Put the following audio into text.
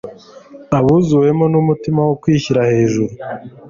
Abuzuwemo n'umutima wo kwishyira hejuru,